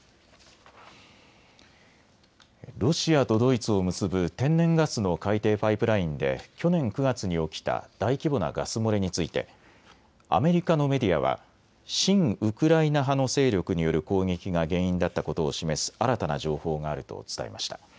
ロシアとドイツを結ぶ天然ガスの海底パイプラインで去年９月に起きた大規模なガス漏れについてアメリカのメディアは親ウクライナ派の勢力による攻撃が原因だったことを示す新たな情報があると伝えました。